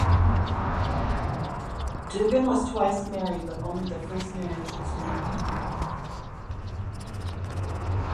Doogan was twice married, but only the first marriage was legal.